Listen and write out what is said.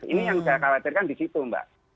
ini yang saya khawatirkan di situ mbak